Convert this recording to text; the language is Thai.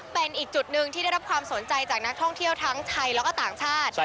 เป็นอีกจุดหนึ่งที่ได้รับความสนใจจากนักท่องเที่ยวทั้งไทยแล้วก็ต่างชาติ